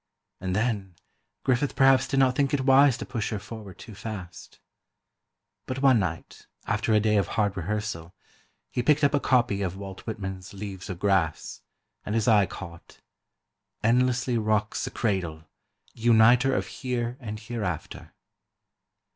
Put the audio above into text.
And then, Griffith perhaps did not think it wise to push her forward too fast. But one night, after a day of hard rehearsal, he picked up a copy of Walt Whitman's "Leaves of Grass," and his eye caught: ... endlessly rocks the cradle, Uniter of Here and Hereafter.